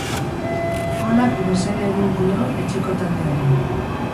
Golak mesede egin dio etxeko taldeari.